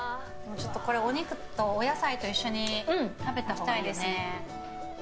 お肉とお野菜と一緒に食べたほうがいいですね。